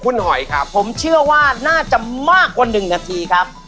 คุณหอยครับผมเชื่อว่าน่าจะมากกว่า๑นาทีครับ